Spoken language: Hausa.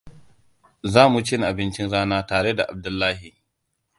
Za mu cin abincin rana tare da Abdullahi.